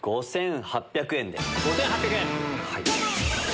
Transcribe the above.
５８００円で。